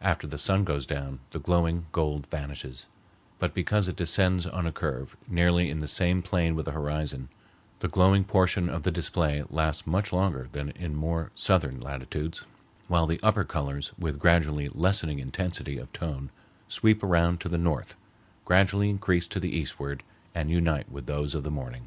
After the sun goes down, the glowing gold vanishes, but because it descends on a curve nearly in the same plane with the horizon, the glowing portion of the display lasts much longer than in more southern latitudes, while the upper colors with gradually lessening intensity of tone sweep around to the north, gradually increase to the eastward, and unite with those of the morning.